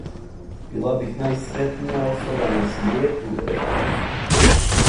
"Била бих најсретнија особа на свијету," рекла је.